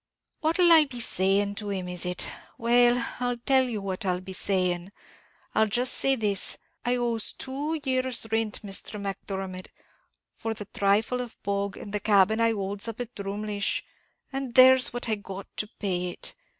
"What 'll I be saying to him, is it? well I'll tell you what I'll be saying. I'll just say this 'I owes two years' rint, Misther Macdermot, for the thrifle of bog, and the cabin I holds up at Drumleesh, and there's what I got to pay it!'